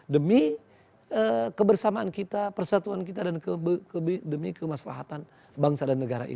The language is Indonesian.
demi kebersamaan kita persatuan kita dan demi kemaslahatan bangsa dan negara ini